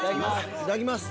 いただきます。